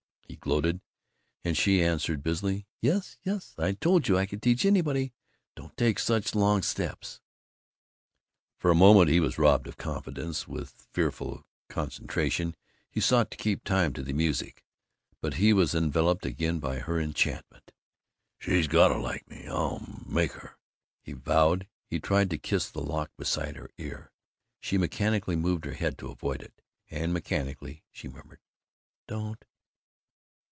he gloated; and she answered busily, "Yes yes I told you I could teach anybody don't take such long steps!" For a moment he was robbed of confidence; with fearful concentration he sought to keep time to the music. But he was enveloped again by her enchantment. "She's got to like me; I'll make her!" he vowed. He tried to kiss the lock beside her ear. She mechanically moved her head to avoid it, and mechanically she murmured, "Don't!"